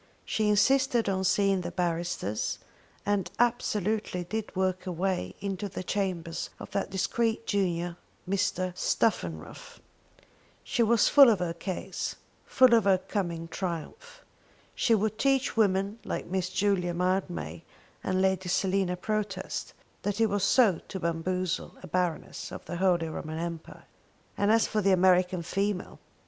She insisted on seeing the barristers, and absolutely did work her way into the chambers of that discreet junior Mr. Stuffenruff. She was full of her case, full of her coming triumph. She would teach women like Miss Julia Mildmay and Lady Selina Protest what it was to bamboozle a Baroness of the Holy Roman Empire! And as for the American female